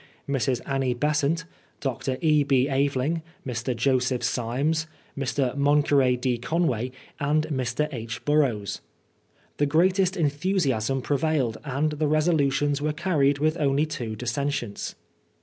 Mrs. Annie Besant, Dr. E. B. Aveling, Mr. Joseph Symes, Mr. Moncure D. Conway and Mr. H. Burrows. The greatest enthusiasm prevailed, and the resolutions were carried with only two dissen tients.